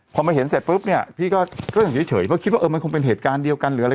พอมาเห็นเสร็จปุ๊บเนี่ยพี่ก็อยู่เฉยเพราะคิดว่าเออมันคงเป็นเหตุการณ์เดียวกันหรืออะไร